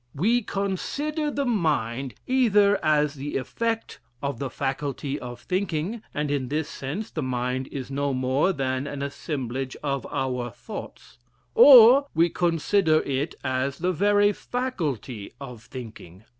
We consider the Mind either as the effect of the faculty of thinking, and in this sense the Mind is no more than an assemblage of our thoughts, or, we consider it as the very faculty of thinking.